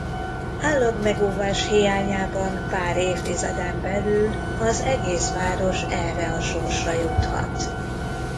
Állagmegóvás hiányában pár évtizeden belül az egész város erre a sorsra juthat.